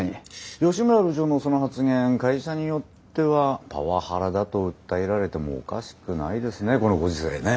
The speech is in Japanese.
吉村部長のその発言会社によってはパワハラだと訴えられてもおかしくないですねこのご時世ね。